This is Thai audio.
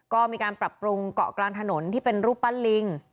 ก็มีการปรับปรุงเกาะกลางถนนที่เป็นรูปปั้นลิง